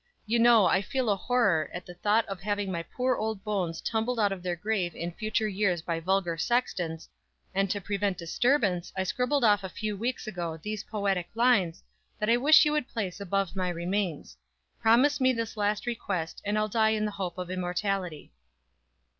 "You know I feel a horror at the thought of having my poor old bones tumbled out of their grave in future years by vulgar sextons, and to prevent disturbance I scribbled off a few weeks ago these poetic lines, that I wish you would place above my remains. Promise me this last request, and I'll die in the hope of Immortality!"